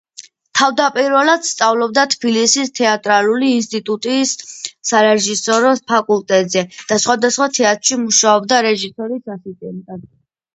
თავდაპირველად სწავლობდა თბილისის თეატრალური ინსტიტუტის სარეჟისორო ფაკულტეტზე და სხვადასხვა თეატრში მუშაობდა რეჟისორის ასისტენტად.